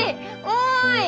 おい！